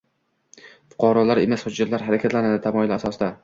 “Fuqarolar emas, hujjatlar harakatlanadi” tamoyili asosida